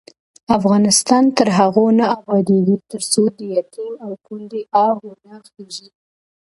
افغانستان تر هغو نه ابادیږي، ترڅو د یتیم او کونډې آه وانه خیژي.